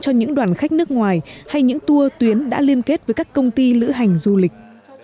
cho những đoàn khách nước ngoài hay những tour tuyến đã liên kết với các công ty lữ hành du lịch